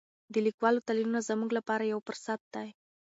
د لیکوالو تلینونه زموږ لپاره یو فرصت دی.